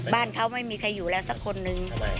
บ้านเขาไม่มีใครอยู่แล้วสักคนนึง